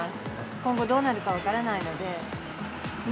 今後どうなるか分からないので、ね。